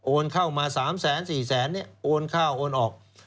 เข้ามา๓๔แสนโอนเข้าโอนออก